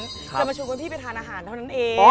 จะมาชวนคุณพี่ไปทานอาหารเท่านั้นเอง